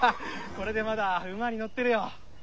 これでまだ馬に乗ってるよ。